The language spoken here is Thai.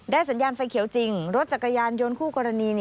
สัญญาณไฟเขียวจริงรถจักรยานยนต์คู่กรณี